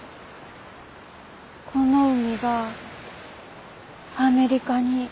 この海がアメリカに。